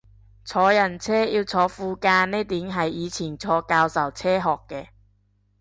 坐人車要坐副駕呢點係以前坐教授車學嘅